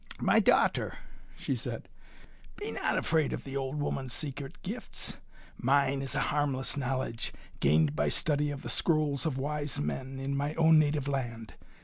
"My daughter," she said, "be not afraid of the old woman's secret gifts. Mine is a harmless knowledge, gained by study of the scrolls of wise men, in my own native land.